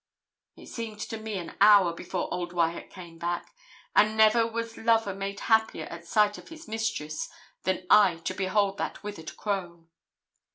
It seemed to me an hour before old Wyat came back; and never was lover made happier at sight of his mistress than I to behold that withered crone.